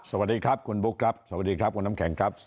สวัสดีครับคุณบุ๊คครับสวัสดีครับคุณน้ำแข็งครับ